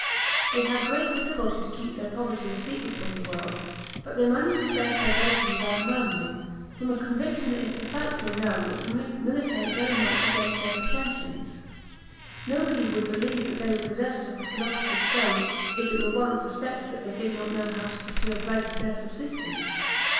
They had great difficulty to keep their poverty a secret from the world; but they managed to bear privation without murmuring, from a conviction that if the fact were known, it would militate very much against their pretensions. Nobody would believe that they were possessors of the philosopher's stone, if it were once suspected that they did not know how to procure bread for their subsistence.